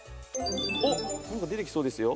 おっなんか出てきそうですよ。